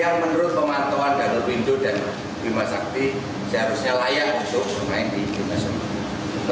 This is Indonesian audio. yang menurut pengantuan daniel bindo dan bima sakti seharusnya layak untuk bermain di bima sakti